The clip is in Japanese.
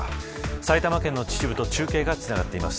埼玉県の秩父と中継がつながっています。